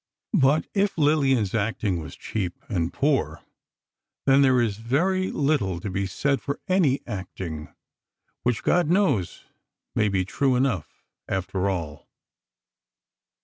But if Lillian's acting was cheap, and poor, then there is very little to be said for any acting, which, God knows, may be true enough, after all!